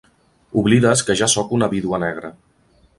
Oblides que ja soc una vídua negra.